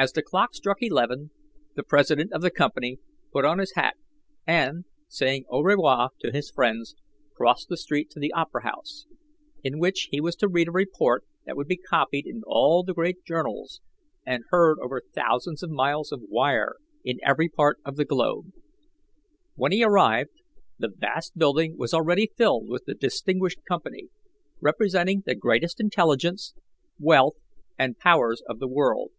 As the clock struck eleven, the president of the company put on his hat, and, saying au revoir to his friends, crossed the street to the Opera House, in which he was to read a report that would be copied in all the great journals and heard over thousands of miles of wire in every part of the globe. When he arrived, the vast building was already filled with a distinguished company, representing the greatest intelligence, wealth, and powers of the world.